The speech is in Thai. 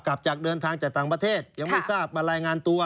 กลับจากเดินทางจากต่างประเทศยังไม่ทราบมารายงานตัว